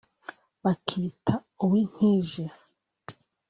bakita “uwintije